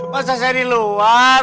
masa saya di luar